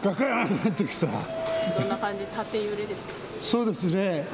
そうですね。